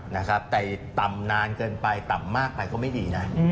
นะครับแต่ต่ำนานเกินไปต่ำมากไปก็ไม่ดีนะ